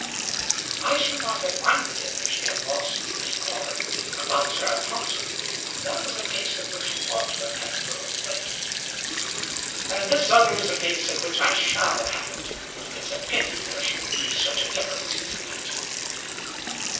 "I should not have minded it, if she had lost, as you call it, about Sarah Thompson. That was a case in which you ought to have had your own way." "And this other is a case in which I shall have it. It's a pity that there should be such a difference; isn't it?"